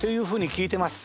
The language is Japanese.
「“聞いてます”。